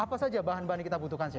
apa saja bahan bahan yang kita butuhkan